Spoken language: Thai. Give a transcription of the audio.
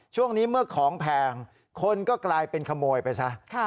ช่วงนี้เมื่อของแพงคนก็กลายเป็นขโมยไปซะ